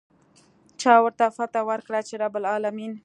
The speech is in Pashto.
چا ورته فتحه ورکړه چې رب العلمين.